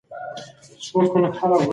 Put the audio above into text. څوک د ټولنیزو ډلو په اړه څېړنه کوي؟